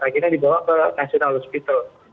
akhirnya dibawa ke national hospital